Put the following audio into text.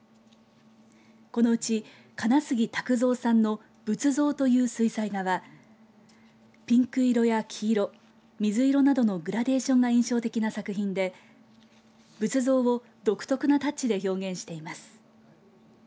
このうち金杉匠蔵さんの仏像という水彩画はピンク色や黄色、水色などのグラデーションが印象的な作品で仏像を独特なタッチで表現しています。